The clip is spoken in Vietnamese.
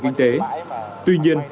kinh tế tuy nhiên